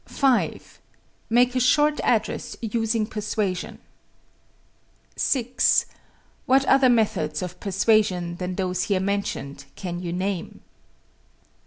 5. Make a short address using persuasion. 6. What other methods of persuasion than those here mentioned can you name?